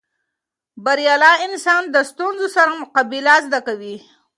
بریالی انسان د ستونزو سره مقابله زده کوي.